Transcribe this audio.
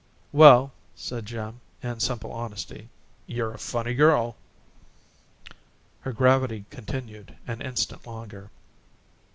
"Well," said Jim, in simple honesty, "you're a funny girl!" Her gravity continued an instant longer.